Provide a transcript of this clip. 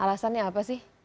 alasannya apa sih